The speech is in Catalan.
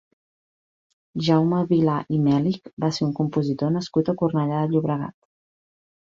Jaume Vilà i Mèlich va ser un compositor nascut a Cornellà de Llobregat.